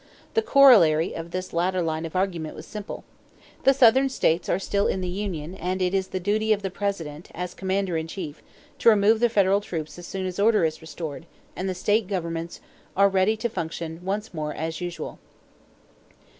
The corollary of this latter line of argument was simple: "The Southern states are still in the union and it is the duty of the President, as commander in chief, to remove the federal troops as soon as order is restored and the state governments ready to function once more as usual."